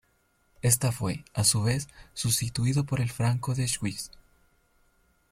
Esta fue, a su vez, sustituido por el Franco de Schwyz.